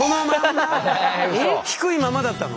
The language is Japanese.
低いままだったの？